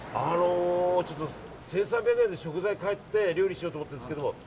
１３００円で食材を買って料理しようと思っているんですけど。